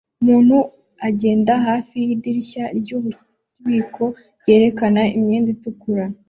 Umuntu agenda hafi yidirishya ryububiko ryerekana imyenda itukura